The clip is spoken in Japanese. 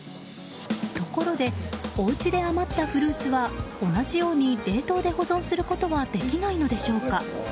ところでおうちで余ったフルーツは同じように冷凍で保存することはできないのでしょうか。